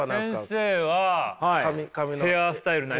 先生はヘアスタイル。